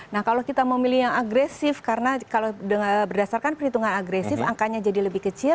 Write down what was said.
nah kalau kita memilih yang agresif karena kalau berdasarkan perhitungan agresif angkanya jadi lebih kecil